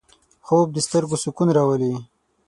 خوب د سترګو سکون راولي